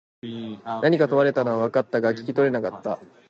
何か問われたのは分かったが、聞き取れなかった。